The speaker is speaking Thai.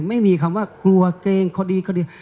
ไม่มีคำว่ากลัวเกรงเขาดีเขาดี